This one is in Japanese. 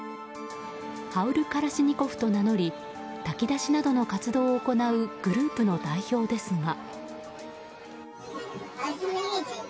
ハウル・カラシニコフと名乗り炊き出しなどの活動を行うグループの代表ですが。